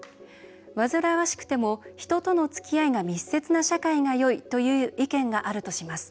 「わずらわしくても人とのつきあいが密接な社会がよい」という意見があるとします。